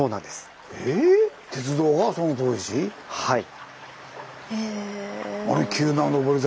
はい。